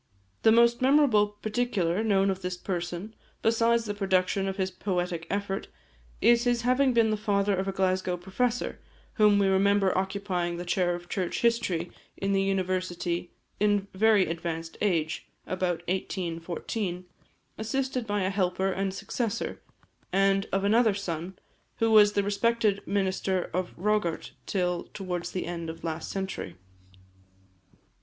The most memorable particular known of this person, besides the production of his poetic effort, is his having been the father of a Glasgow professor, whom we remember occupying the chair of Church History in the university in very advanced age, about 1814, assisted by a helper and successor; and of another son, who was the respected minister of Rogart till towards the end of last century.